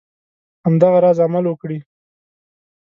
همدغه راز عمل وکړي.